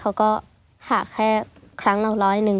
ถ้าทำผิดเขามาหนึ่ง